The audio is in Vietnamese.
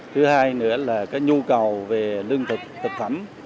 thứ hai nữa là cái nhu cầu về lương thực thực phẩm